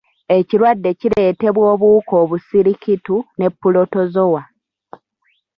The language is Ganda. Ekirwadde kireetebwa obuwuka obusirikitu ne pulotozowa.